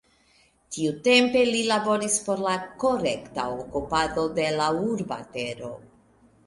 Tiutempe, li laboris por la korekta okupado de la urba tero.